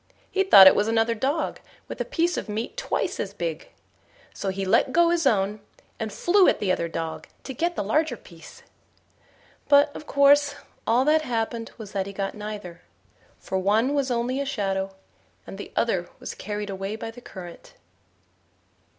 He thought it was another dog with a piece of meat twice as big; so he let go his own, and flew at the other dog to get the larger piece. But, of course, all that happened was that he got neither; for one was only a shadow, and the other was carried away by the current.